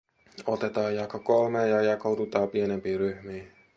"Otetaa jako kolmee ja jakaudutaa pienempii ryhmii.